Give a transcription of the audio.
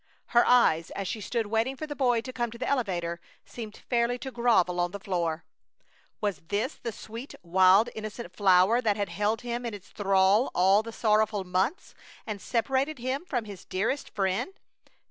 Her eyes, as she stood waiting for the boy to come to the elevator, seemed fairly to grovel on the floor. Was this the sweet, wild, innocent flower that had held him in its thrall all the sorrowful months, and separated him from his dearest friend?